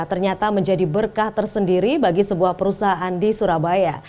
ternyata menjadi berkah tersendiri bagi sebuah perusahaan di surabaya